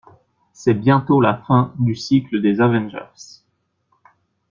C'est bientôt la fin du cycle des avengers.